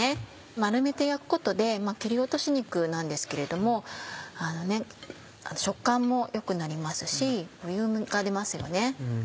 丸めて焼くことで切り落とし肉なんですけれども食感もよくなりますしボリュームが出ますよね。